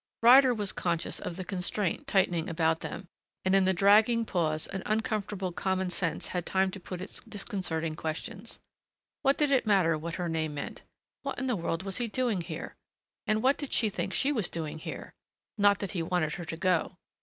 Ryder was conscious of the constraint tightening about them and in the dragging pause an uncomfortable common sense had time to put its disconcerting questions. What did it matter what her name meant? What in the world was he doing here?.... And what did she think she was doing here?... Not that he wanted her to go....